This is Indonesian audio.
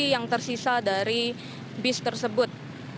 yang tersisa dari bis tersebut